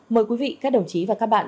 mời quý vị các đồng chí và các bạn